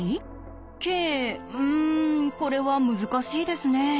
ｋうんこれは難しいですね。